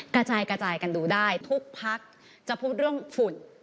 กระจายกระจายกันดูได้ทุกพักจะพูดเรื่องฝุ่น